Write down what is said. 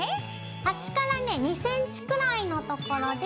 端からね２ｃｍくらいのところで。